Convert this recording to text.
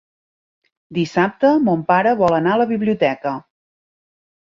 Dissabte mon pare vol anar a la biblioteca.